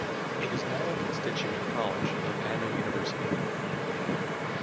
It is now a constituent college of Anna University.